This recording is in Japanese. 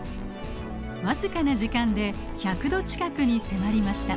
僅かな時間で１００℃近くに迫りました。